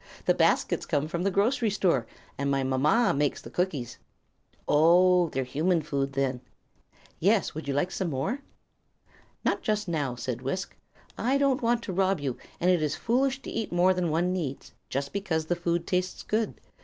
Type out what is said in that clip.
"The baskets come from the grocery store, and my mama makes the cookies." "Oh; they're human food, then." "Yes; would you like some more?" "Not just now," said Wisk. "I don't want to rob you, and it is foolish to eat more than one needs, just because the food tastes good.